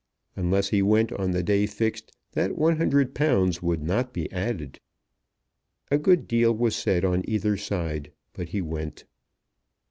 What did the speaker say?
Unless he went on the day fixed that £100 would not be added. A good deal was said on either side, but he went.